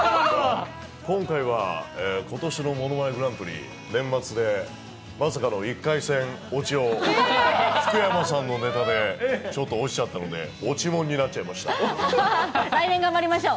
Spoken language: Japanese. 今回はことしのものまねグランプリ、年末でまさかの１回戦落ちを、福山さんのネタで、ちょっと落ちちゃったので、落ちもんになっち来年頑張りましょう。